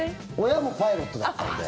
親もパイロットだったので。